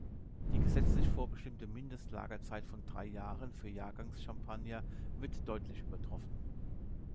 Die gesetzlich vorbestimmte Mindest-Lagerzeit von drei Jahren für Jahrgangs-Champagner wird deutlich übertroffen.